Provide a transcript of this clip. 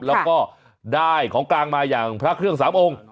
แล้วก็ได้ของกลางมาอย่างพระเครื่อง๓องค์